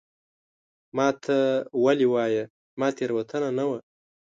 ما ته ولي وایې ؟ زما تېروتنه نه وه